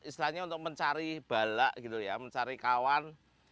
istilahnya untuk mencari bala mencari kawan